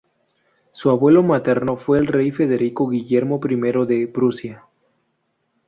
Su abuelo materno fue el rey Federico Guillermo I de Prusia.